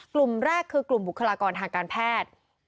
กลุ่มแรกคือกลุ่มบุคลากรทางการแพทย์